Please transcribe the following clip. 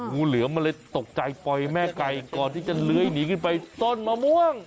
งูเหลือมมันเลยตกใจปล่อยแม่ไก่ก่อนที่จะเลื้อยหนีขึ้นไปต้นมะม่วง